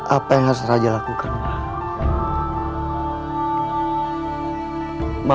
apa yang hasrat raja laku kerumah